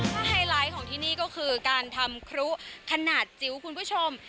ถ้าไฮไลท์ของที่นี่ก็คือการทำครุขนาดจิ๋วคุณผู้ชม